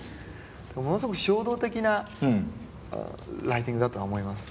ものすごく衝動的なライティングだとは思います。